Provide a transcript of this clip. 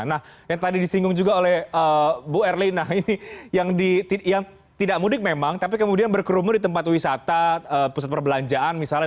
nah yang tadi disinggung juga oleh bu erlina ini yang tidak mudik memang tapi kemudian berkerumun di tempat wisata pusat perbelanjaan misalnya